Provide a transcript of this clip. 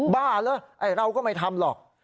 บ้าเหรอไอ้เราก็ไม่ทำหรอก